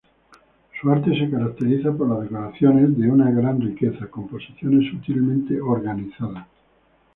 Su arte se caracteriza por las decoraciones de una gran riqueza, composiciones sutilmente organizadas.